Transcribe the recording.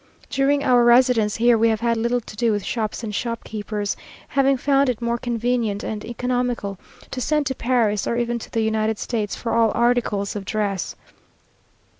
During our residence here we have had little to do with shops and shopkeepers, having found it more convenient and economical to send to Paris or even to the United States for all articles of dress.